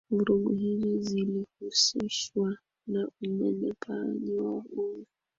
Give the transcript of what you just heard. Vurugu hizo zilihusishwa na unyanyapaaji wa wagonjwa